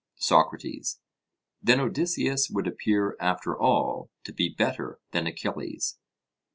SOCRATES: Then Odysseus would appear after all to be better than Achilles?